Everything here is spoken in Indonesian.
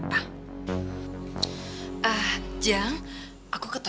pasti ada apa apa